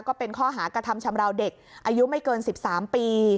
ก็เป็นข้อหากระทำชำราวเด็กอายุไม่เกิน๑๓ปี